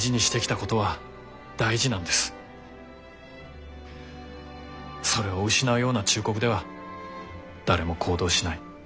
それを失うような忠告では誰も行動しない。